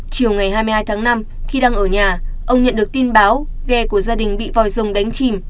chiều ngày hai mươi hai tháng năm khi đang ở nhà ông nhận được tin báo ghe của gia đình bị vòi rồng đánh chìm